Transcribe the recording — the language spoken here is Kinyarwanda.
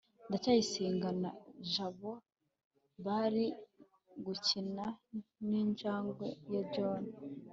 ndacyayisenga na jabo barimo gukina ninjangwe ya john